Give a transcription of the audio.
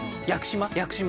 屋久島！